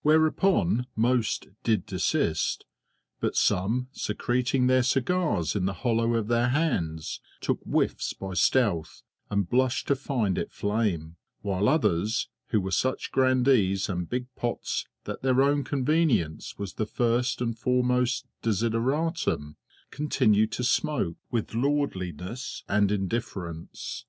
Whereupon most did desist; but some, secreting their cigars in the hollow of their hands, took whiffs by stealth, and blushed to find it flame; while others, who were such grandees and big pots that their own convenience was the first and foremost desideratum, continued to smoke with lordliness and indifference.